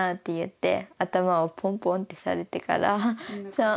そう。